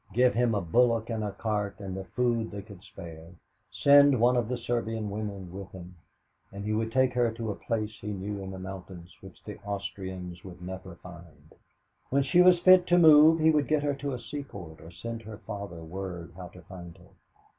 Give him a bullock and a cart and the food they could spare, send one of the Serbian women with him, and he would take her to a place he knew in the mountains which the Austrians would never find. When she was fit to move he would get her to a seaport or send her father word how to find her.